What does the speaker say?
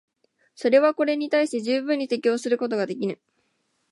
それはこれに対して十分に適応することができぬ。